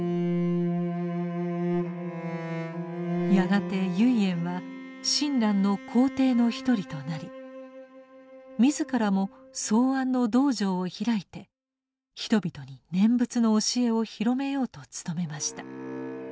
やがて唯円は親鸞の高弟の一人となり自らも草庵の道場を開いて人々に念仏の教えを広めようと努めました。